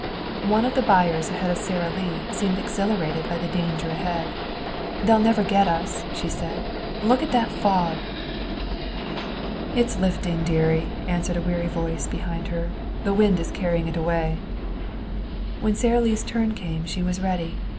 One of the buyers ahead of Sara Lee seemed exhilarated by the danger ahead. "They'll never get us," she said. "Look at that fog!" "It's lifting, dearie," answered a weary voice behind her. "The wind is carrying it away." When Sara Lee's turn came she was ready.